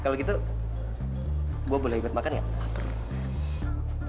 kalau gitu gue boleh ikut makan nggak